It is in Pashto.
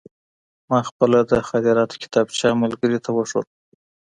ما خپله د خاطراتو کتابچه ملګري ته وښوده.